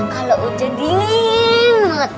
kalau hujan dingin banget